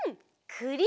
くり！